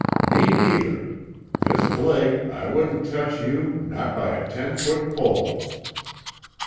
Me neither. Miss Blake, I wouldn't touch you not by a ten foot pole."